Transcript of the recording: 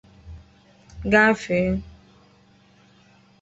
gafee